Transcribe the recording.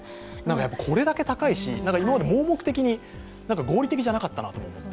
これだけ高いし、今まで盲目的に、合理的じゃなかったなと思って。